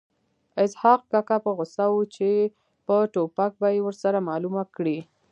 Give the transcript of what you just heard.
اسحق کاکا په غوسه و چې په ټوپک به یې ورسره معلومه کړي